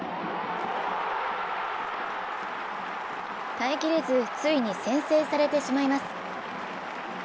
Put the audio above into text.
耐えきれず、ついに先制されてしまいます。